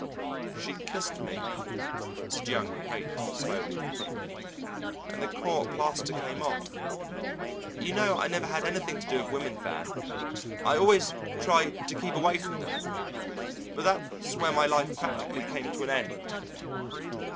"She kissed me," said young Haight slowly, "and the court plaster came off. You know I never had anything to do with women, Van. I always tried to keep away from them. But that's where my life practically came to an end."